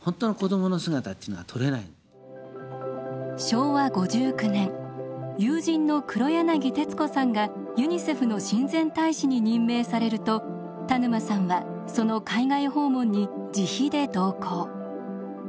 昭和５９年友人の黒柳徹子さんがユニセフの親善大使に任命されると田沼さんはその海外訪問に自費で同行。